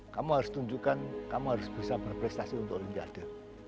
kamu harus tunjukkan kamu harus bisa berprestasi untuk olimpiade